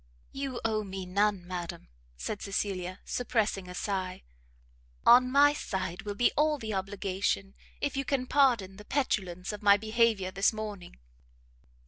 "You owe me none, madam," said Cecilia, suppressing a sigh; "on my side will be all the obligation, if you can pardon the petulance of my behaviour this morning."